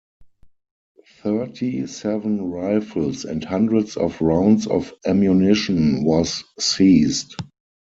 Thirty-seven rifles, and hundreds of rounds of ammunition was seized.